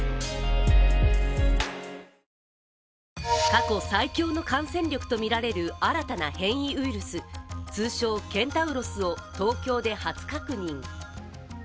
過去最強の感染力とみられる新たな変異ウイルス、通称ケンタウロスを東京で初確認。